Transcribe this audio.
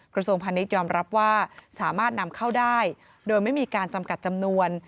กระทรวงพาณิชยอมรับว่าสามารถนำเข้าได้โดยไม่มีการจำกัดจำนวน